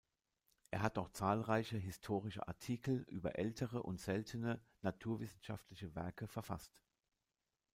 Er hat auch zahlreiche historische Artikel über ältere und seltene naturwissenschaftliche Werke verfasst.